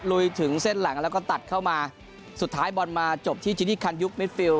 ลุยถึงเส้นหลังแล้วก็ตัดเข้ามาสุดท้ายบอลมาจบที่จินิคันยุคมิดฟิล